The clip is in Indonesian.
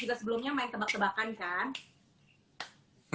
juga sebelumnya main tebak tebakan kan